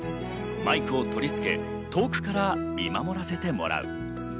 マイクを取り付け、遠くから見守らせてもらう。